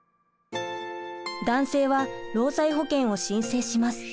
男性は労災保険を申請します。